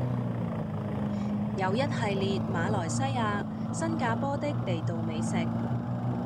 有一系列馬來西亞、新加坡的地道美食